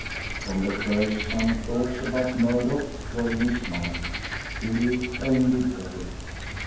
From the first some thoughts about Murdock were in his mind; still only vague.